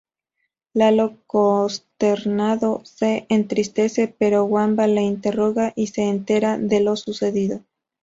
Lolo consternado, se entristece, pero Wamba le interroga y se entera de lo sucedido.